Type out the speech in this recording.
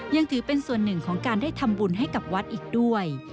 ยังถือเป็นส่วนหนึ่งของการได้ทำบุญให้กับวัดอีกด้วย